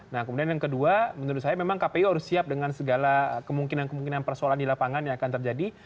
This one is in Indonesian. nah kemudian yang kedua menurut saya memang kpu harus siap dengan segala kemungkinan kemungkinan persoalan di lapangan yang akan terjadi